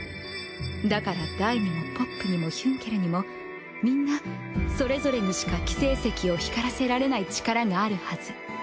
だからダイにもポップにもヒュンケルにもみんなそれぞれにしか輝聖石を光らせられない力があるはず。